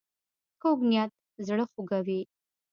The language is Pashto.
کوږ نیت زړه خوږوي